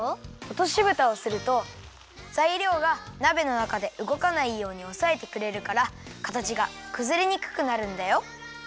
おとしぶたをするとざいりょうがなべのなかでうごかないようにおさえてくれるからかたちがくずれにくくなるんだよ。